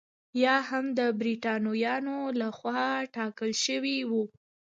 یا هم د برېټانویانو لخوا ټاکل شوي وو.